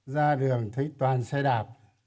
ra đường thấy toàn xe đạp